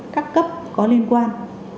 các cấp có liên quan